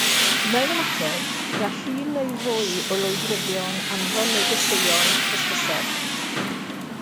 Mewn ymateb, gall un neu fwy o lwybryddion anfon negeseuon hysbyseb.